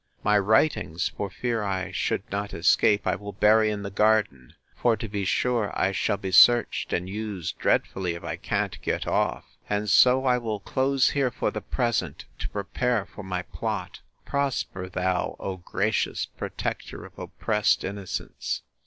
My writings, for fear I should not escape, I will bury in the garden; for, to be sure, I shall be searched and used dreadfully if I can't get off. And so I will close here, for the present, to prepare for my plot. Prosper thou, O gracious Protector of oppressed innocence!